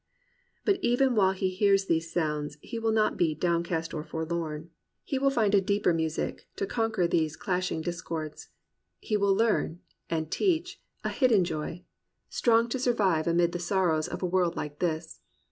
But even while he hears these sounds he will not be downcast or forlorn." He will find a deeper music 203 COMPANIONABLE BOOKS to conquer these clasHng discords. He will learn, and teach, a hidden joy, strong to survive amid the sorrows of a world like this.